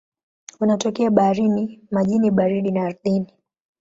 Wanatokea baharini, majini baridi na ardhini.